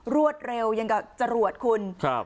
รวดเร็วยังกว่าจะรวดคุณครับ